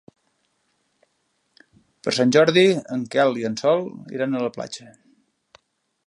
Per Sant Jordi en Quel i en Sol iran a la platja.